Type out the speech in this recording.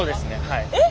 はい。